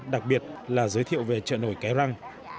đặc biệt là giới thiệu về trợ nổi ké răng